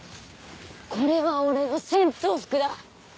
これは俺の戦闘服だ。